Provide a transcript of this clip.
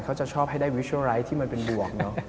เขาจะชอบให้ได้วิชัลไลท์ที่มันเป็นบวกเนอะ